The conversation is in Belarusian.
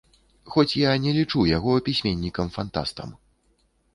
Хоць я не лічу яго пісьменнікам-фантастам.